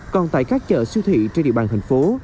còn tại các chợ siêu thị trên địa bàn thành phố